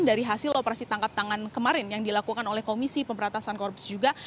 dari hasil operasi tangkap tangan kemarin yang dilakukan oleh komisi pemberantasan korupsi juga